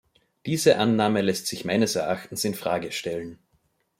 Diese Annahme lässt sich meines Erachtens in Frage stellen.